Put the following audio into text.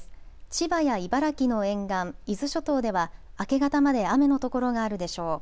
千葉や茨城の沿岸、伊豆諸島では明け方まで雨の所があるでしょう。